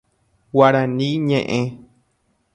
Guarani ñe'ẽ.